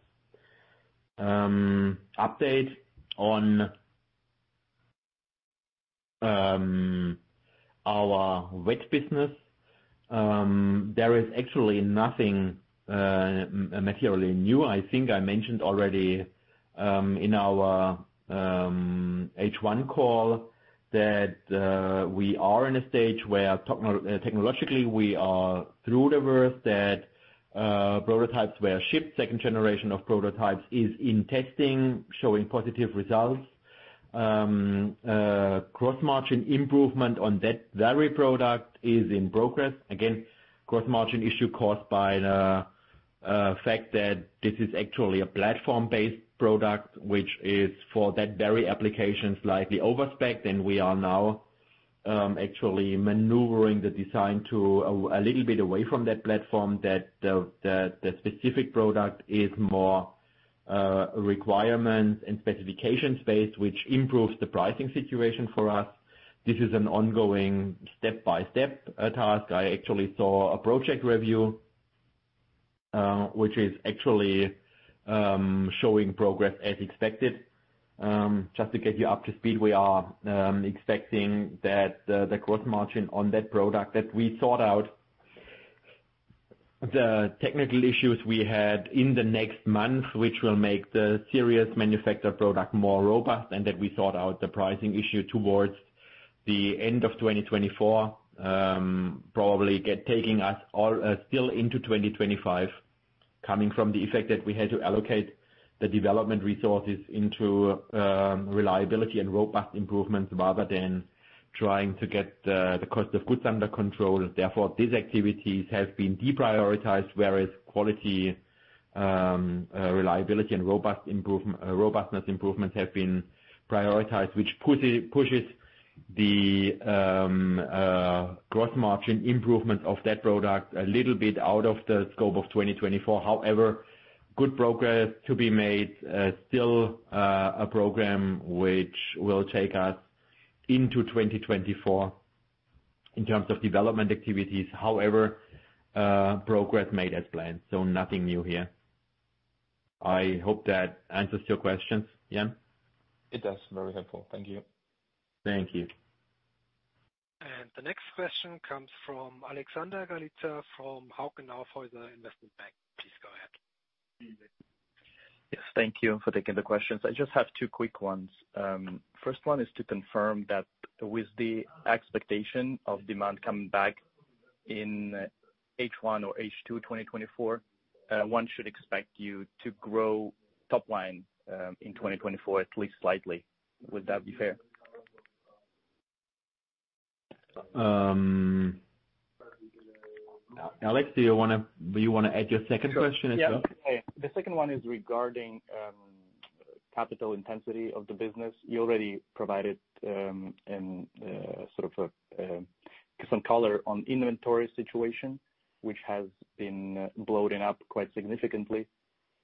A: Update on our vet business. There is actually nothing materially new. I think I mentioned already in our H1 call, that we are in a stage where technologically, we are through the worst, that prototypes were shipped. Second generation of prototypes is in testing, showing positive results. Gross margin improvement on that very product is in progress. Again, Gross margin issue caused by the fact that this is actually a platform-based product, which is, for that very application, slightly overspecced, and we are now actually maneuvering the design to a little bit away from that platform, that the specific product is more requirement and specification-based, which improves the pricing situation for us. This is an ongoing step-by-step task. I actually saw a project review, which is actually showing progress as expected. Just to get you up to speed, we are expecting that the gross margin on that product, that we sort out the technical issues we had in the next month, which will make the series manufactured product more robust, and that we sort out the pricing issue towards the end of 2024. Probably get taking us all still into 2025, coming from the effect that we had to allocate the development resources into reliability and robust improvements, rather than trying to get the cost of goods under control. Therefore, these activities have been deprioritized, whereas quality, reliability and robust improvement, robustness improvements have been prioritized, which pushes the gross margin improvement of that product a little bit out of the scope of 2024. However, good progress to be made. Still, a program which will take us into 2024 in terms of development activities. However, progress made as planned, so nothing new here. I hope that answers your questions, Jan.
E: It does. Very helpful. Thank you.
A: Thank you.
B: The next question comes from Alexander Galitsa, from Hauck & Aufhäuser Investment Banking. Please go ahead.
F: Yes, thank you for taking the questions. I just have two quick ones. First one is to confirm that with the expectation of demand coming back in H1 or H2 2024, one should expect you to grow top line, in 2024, at least slightly. Would that be fair?
A: Alex, do you wanna add your second question as well?
F: Yeah. Okay. The second one is regarding capital intensity of the business. You already provided sort of some color on inventory situation, which has been bloating up quite significantly.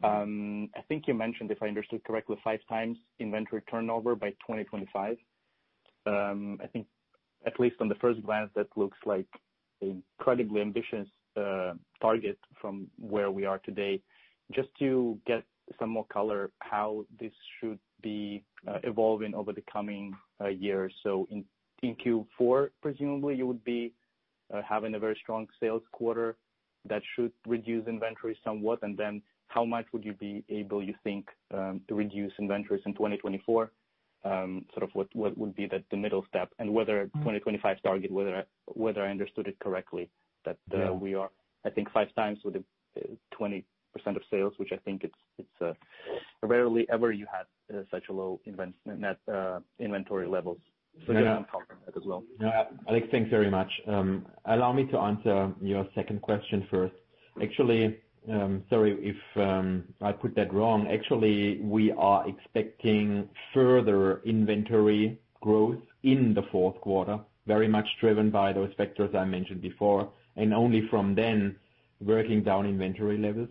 F: I think you mentioned, if I understood correctly, five times inventory turnover by 2025. I think at least on the first glance, that looks like incredibly ambitious target from where we are today. Just to get some more color, how this should be evolving over the coming years. So in Q4, presumably, you would be having a very strong sales quarter that should reduce inventory somewhat, and then how much would you be able, you think, to reduce inventories in 2024? Sort of what would be the middle step? Whether 2025 target, whether I, whether I understood it correctly, that
A: Yeah...
F: we are, I think, five times with the 20% of sales, which I think it's, it's, rarely ever you have, such a low net inventory levels.
A: Yeah.
F: Can you comment on that as well?
A: Yeah. Alex, thanks very much. Allow me to answer your second question first. Actually, sorry if I put that wrong. Actually, we are expecting further inventory growth in the fourth quarter, very much driven by those factors I mentioned before, and only from then, working down inventory levels.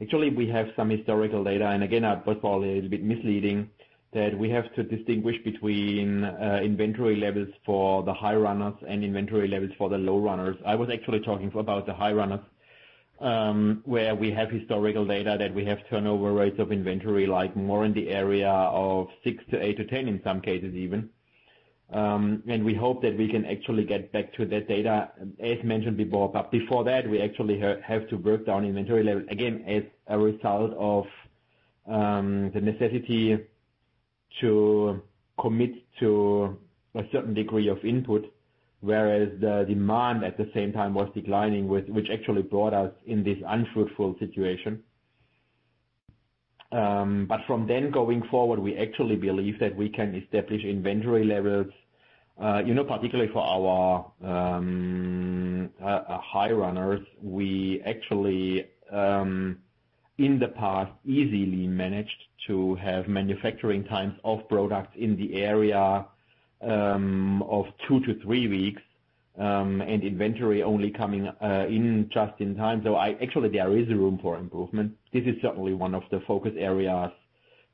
A: Actually, we have some historical data, and again, I first of all, a little bit misleading, that we have to distinguish between inventory levels for the high runners and inventory levels for the low runners. I was actually talking about the high runners, where we have historical data, that we have turnover rates of inventory, like more in the area of six to eight to 10, in some cases even. We hope that we can actually get back to that data, as mentioned before, but before that, we actually have to work down inventory levels, again, as a result of the necessity to commit to a certain degree of input, whereas the demand at the same time was declining, which actually brought us in this unfruitful situation. But from then going forward, we actually believe that we can establish inventory levels, you know, particularly for our high runners. We actually, in the past, easily managed to have manufacturing times of products in the area of two-three weeks, and inventory only coming in just in time. So actually, there is room for improvement. This is certainly one of the focus areas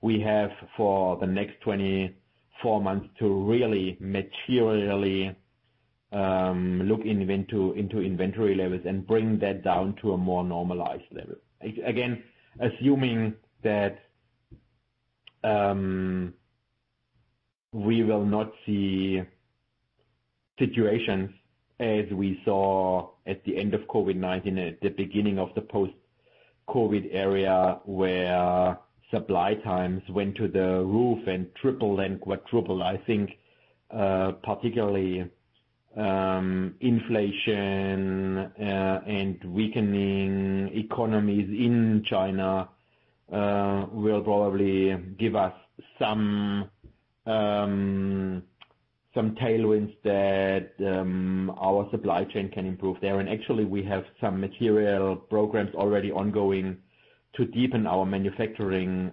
A: we have for the next 24 months to really materially look into inventory levels and bring that down to a more normalized level. Again, assuming that we will not see situations as we saw at the end of COVID-19, at the beginning of the post-COVID era, where supply times went to the roof and triple and quadruple. I think, particularly, inflation and weakening economies in China will probably give us some tailwinds that our supply chain can improve there. Actually, we have some material programs already ongoing to deepen our manufacturing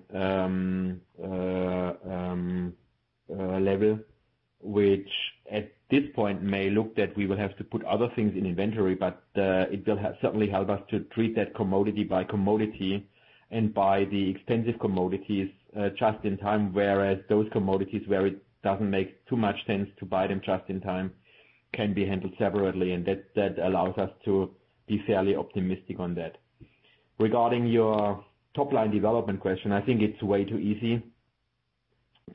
A: level, which at this point may look that we will have to put other things in inventory, but it will help, certainly help us to treat that commodity by commodity and buy the expensive commodities just in time. Whereas those commodities where it doesn't make too much sense to buy them just in time can be handled separately, and that allows us to be fairly optimistic on that. Regarding your top-line development question, I think it's way too easy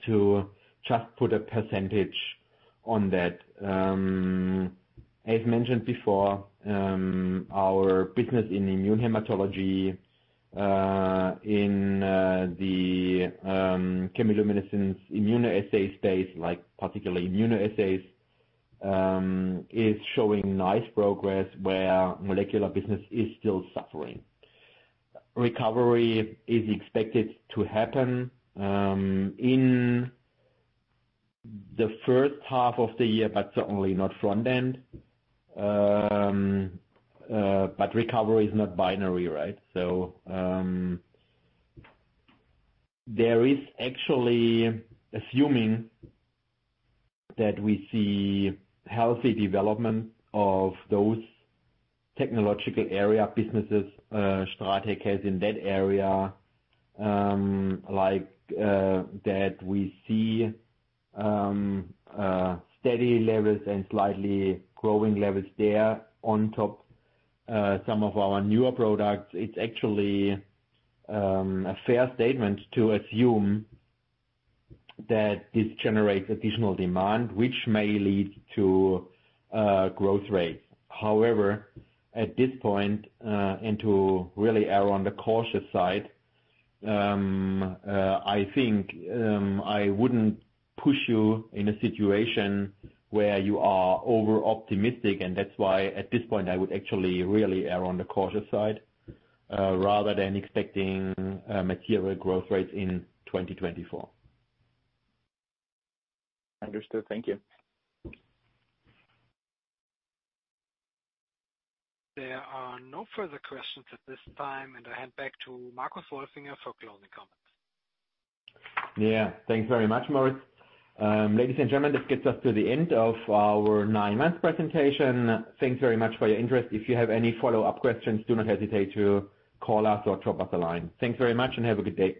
A: to just put a percentage on that. As mentioned before, our business in immunohematology in the chemiluminescence immunoassay space, like particularly immunoassays, is showing nice progress where molecular business is still suffering. Recovery is expected to happen in the first half of the year, but certainly not front end. But recovery is not binary, right? So, there is actually assuming that we see healthy development of those technological area businesses STRATEC has in that area, like that we see steady levels and slightly growing levels there on top some of our newer products. It's actually a fair statement to assume that this generates additional demand, which may lead to growth rates. However, at this point, and to really err on the cautious side, I think I wouldn't push you in a situation where you are over-optimistic, and that's why at this point, I would actually really err on the cautious side rather than expecting material growth rates in 2024.
F: Understood. Thank you.
B: There are no further questions at this time, and I hand back to Marcus Wolfinger for closing comments.
A: Yeah. Thanks very much, Moritz. Ladies and gentlemen, this gets us to the end of our nine-month presentation. Thanks very much for your interest. If you have any follow-up questions, do not hesitate to call us or drop us a line. Thanks very much and have a good day.